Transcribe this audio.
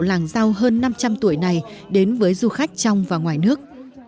các bậc tiền hiệu làng rau hơn năm trăm linh tuổi này đến với du khách trong và ngoài nước